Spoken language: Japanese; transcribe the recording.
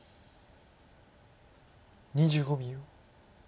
２５秒。